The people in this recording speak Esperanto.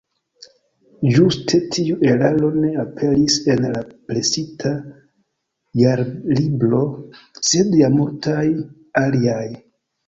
Ĝuste tiu eraro ne aperis en la presita Jarlibro, sed ja multaj aliaj.